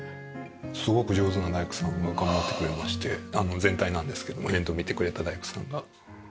すごく上手な大工さんが頑張ってくれまして全体なんですけども面倒を見てくれた大工さんが。